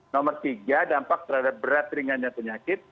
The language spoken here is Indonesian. nomor tiga dampak terhadap berat ringannya penyakit